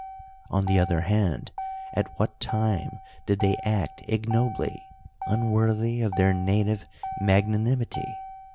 On the other hand, at what time did they act ignobly, unworthy of their native magnanimity?